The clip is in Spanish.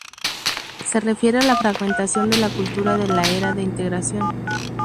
Se refiere a la fragmentación de la cultura de la Era de Integración.